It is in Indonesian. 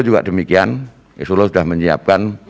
juga demikian solo sudah menyiapkan